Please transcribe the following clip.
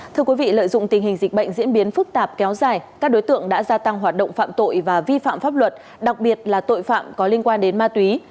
thưa quý vị lợi dụng tình hình dịch bệnh diễn biến phức tạp kéo dài các đối tượng đã gia tăng hoạt động phạm tội và vi phạm pháp luật đặc biệt là tội phạm có liên quan đến ma túy